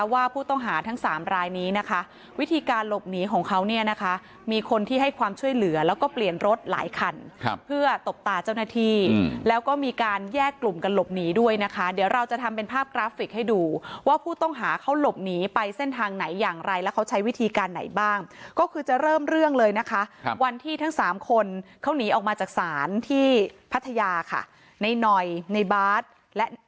ว่าผู้ต้องหาทั้งสามรายนี้นะคะวิธีการหลบหนีของเขาเนี่ยนะคะมีคนที่ให้ความช่วยเหลือแล้วก็เปลี่ยนรถหลายคันเพื่อตบตาเจ้าหน้าที่แล้วก็มีการแยกกลุ่มกันหลบหนีด้วยนะคะเดี๋ยวเราจะทำเป็นภาพกราฟิกให้ดูว่าผู้ต้องหาเขาหลบหนีไปเส้นทางไหนอย่างไรแล้วเขาใช้วิธีการไหนบ้างก็คือจะเริ่มเรื่องเลยนะคะครับวันที่ทั้งสามคนเขาหนีออกมาจากศาลที่พัทยาค่ะในหน่อยในบาร์ดและ